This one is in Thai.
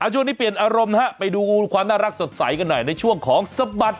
เอาช่วงนี้เปลี่ยนอารมณ์นะครับไปดูความน่ารักสดใสกันหน่อยในช่วงของสมัดข่าวเด็ก